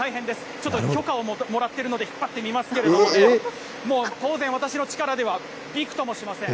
ちょっと許可をもらってるので引っ張ってみますけれどもね、もう当然、私の力ではびくともしません。